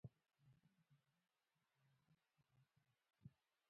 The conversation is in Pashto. وګړي د افغانانو لپاره په معنوي لحاظ ارزښت لري.